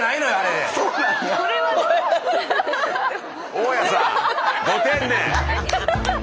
大家さんド天然。